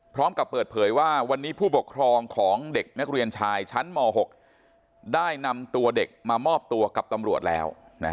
พร้อมกับเปิดเผยว่าวันนี้ผู้ปกครองของเด็กนักเรียนชายชั้นม๖ได้นำตัวเด็กมามอบตัวกับตำรวจแล้ว